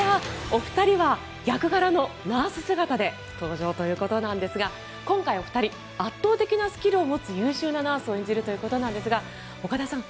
お二人は役柄のナース姿で登場ということですが今回お二人圧倒的なスキルを持つ優秀なナースを演じるということですが岡田さん